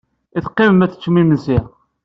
I teqqimem ad teččem imensi?